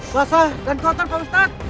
basah dan kotor pak ustaz